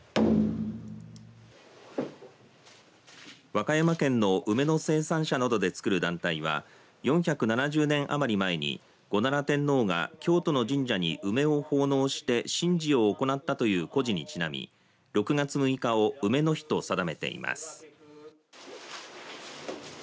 和歌山県の梅の生産者などで作る団体は４７０年余り前に後奈良天皇が京都の神社に梅を奉納して神事を行ったという故事にちなみ６月６日を梅の日と定めています。